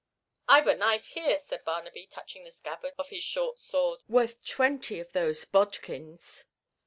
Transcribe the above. "I've a knife here," said Barnaby, touching the scabbard of his short sword, "worth twenty of those bodkins."